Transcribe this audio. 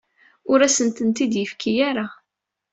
Ur asen-tent-id-yefki ara.